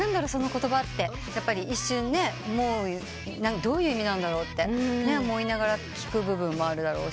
「どういう意味なんだろう？」って思いながら聴く部分もあるだろうし。